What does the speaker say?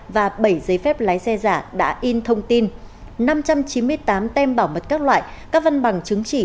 và bảy giấy phép lái xe giả đã in thông tin năm trăm chín mươi tám tem bảo mật các loại các văn bằng chứng chỉ